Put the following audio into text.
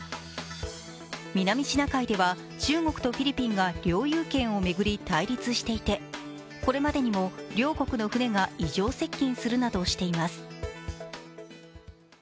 南シナ海では中国とフィリピンが領有権を巡り対立していてこれまでにも両国の船が異常接近するなどしています。